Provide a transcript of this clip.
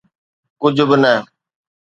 ڪجھ به نه.